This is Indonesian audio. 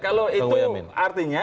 kalau itu artinya